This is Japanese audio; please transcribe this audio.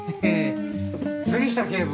杉下警部。